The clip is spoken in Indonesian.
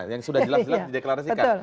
yang sudah jelas jelas dideklarasikan